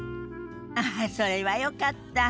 ああそれはよかった。